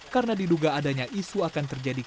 karena diduga adanya isu akan terjadi